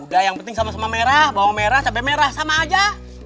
udah yang penting sama sama merah bawang merah cabai merah sama aja